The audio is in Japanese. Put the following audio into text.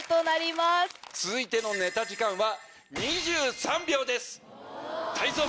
続いてのネタ時間は。